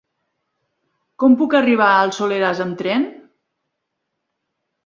Com puc arribar al Soleràs amb tren?